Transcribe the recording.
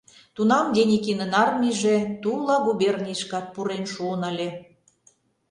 Тунам Деникинын армийже Тула губернийышкат пурен шуын ыле.